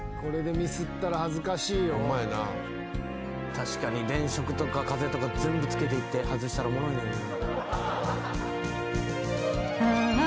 確かに電飾とか風とか全部つけていって外したらおもろいのにな。